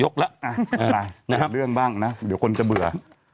เรื่องบ้างนะเดี๋ยวคนจะเบื่อ